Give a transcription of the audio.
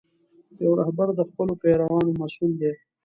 یو رهبر د خپلو پیروانو مسؤل دی.